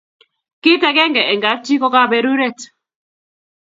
kit akenge eng kap chi ko kaberuret